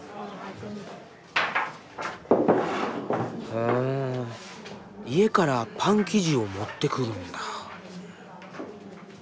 ふん家からパン生地を持ってくるんだ。